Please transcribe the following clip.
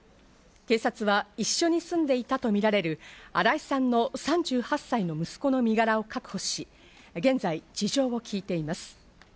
警察は一緒に住んでいたとみられる新井さんの３８歳の息子の身柄を確保し、現在事情を聞いています。